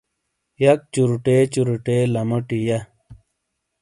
یک چوروٹے چوروٹے لموٹی یا